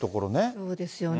そうですよね。